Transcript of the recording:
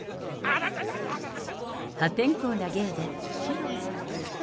破天荒な芸で。